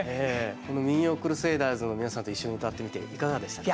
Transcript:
この民謡クルセイダーズの皆さんと一緒にうたってみていかがでしたか？